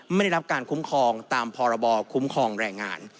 ไม่ได้รับการคุ้มครองตามพรบคุ้มครองแรงงาน